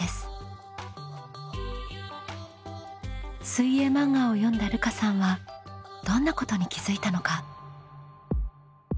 水泳漫画を読んだるかさんはどんなことに気づいたのか？